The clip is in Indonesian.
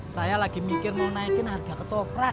saya lagi mikir mau naikin harga ke toprak